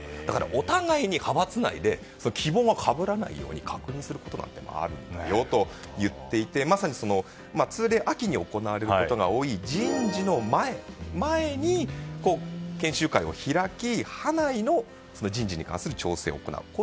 お互いに派閥内で希望が被らないように確認することもあると言っていてまさに、通例秋に行われることが多い人事の前に研修会を開き派内の人事に関する調整を行うと。